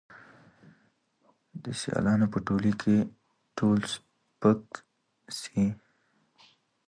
د سیالانو په ټولۍ کي یې تول سپک سي